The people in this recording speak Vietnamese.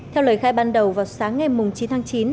theo lời khai ban đầu vào sáng ngày chín tháng chín